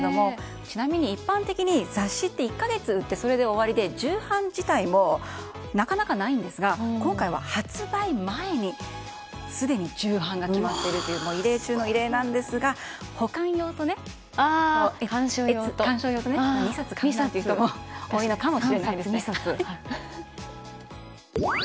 ちなみに一般的に雑誌は１か月売ってそれで終わりで重版自体もなかなかないんですが今回は発売前にすでに重版が決まっているという異例中の異例ですが保管用と観賞用と２冊買うという声もありますね。